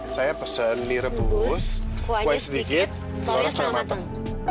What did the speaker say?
saya pesan di rebus kuahnya sedikit telurnya setengah matang